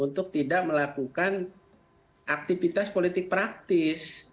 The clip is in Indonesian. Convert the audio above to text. untuk tidak melakukan aktivitas politik praktis